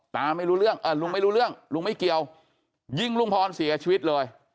ไม่รู้เรื่องลุงไม่รู้เรื่องลุงไม่เกี่ยวยิงลุงพรเสียชีวิตเลย